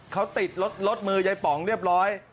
เขาติดรถมือยายป๋องเรียบร้อย